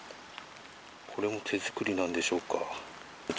これも手作りなんでしょうか。